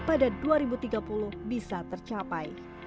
pada dua ribu tiga puluh bisa tercapai